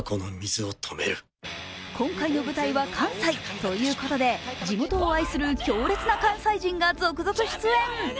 今回の舞台は関西。ということで地元を愛する強烈な関西人が続々出演。